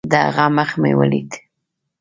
د هغه مخ مې وليد.